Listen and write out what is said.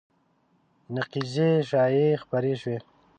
نقیضې شایعې خپرې شوې